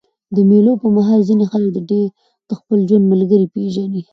د مېلو پر مهال ځيني خلک د خپل ژوند ملګری پېژني.